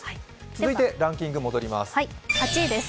続いてランキング戻ります。